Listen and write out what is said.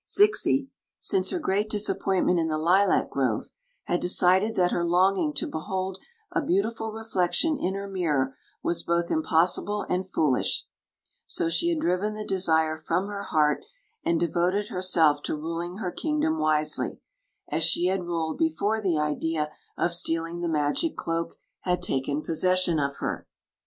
Queen Zixi of Ix ; or, the Zixi, since her great disappointment in the lilac grove, had decided that her longing to behold a beau tiful reflection in her mirror was both impossible and foolish ; so she had driven the desire from her heart and devoted herself to ruling her kingdom wisely, as she had ruled before the idea of stealing the magic cloak had taken possession of her.